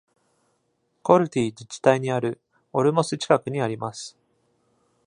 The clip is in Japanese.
コルティ自治体にあるオルモス近くにあります。